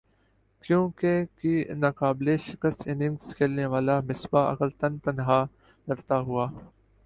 کیونکہکی ناقابل شکست اننگز کھیلنے والا مصباح اگر تن تنہا لڑتا ہوا